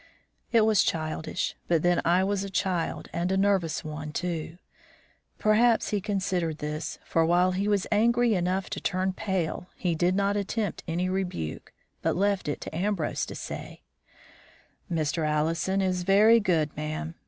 It was childish, but then I was a child and a nervous one, too. Perhaps he considered this, for, while he was angry enough to turn pale, he did not attempt any rebuke, but left it to Ambrose to say: "Mr. Allison is very good, ma'am.